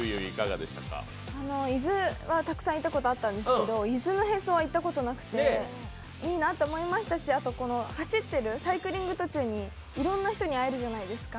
伊豆はたくさん行ったことあったんですけど伊豆のへそは行ったことなくて、いいなと思いましたし、あと、走ってるサイクリング途中にいろんな人に会えるじゃないですか。